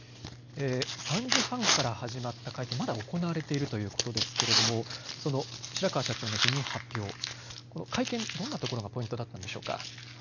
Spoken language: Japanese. ３時半から始まった会見、まだ行われているということですけれどもその白川社長の辞任発表、この会見どんなところがポイントだったんでしょうか。